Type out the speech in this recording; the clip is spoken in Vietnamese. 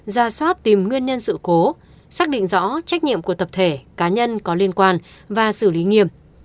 ra soát tìm nguyên nhân sự cố xác định rõ trách nhiệm của tập thể cá nhân có liên quan và xử lý nghiêm